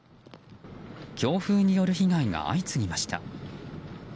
強風による被害が相次ぎました。